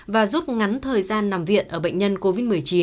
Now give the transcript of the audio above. và rút ngắn thời gian nằm viện ở bệnh nhân covid một mươi chín